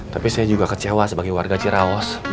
tapi saya juga kecewa sebagai warga cirawas